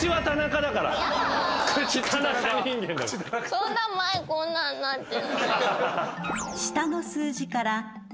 そんな前こんなんなってない。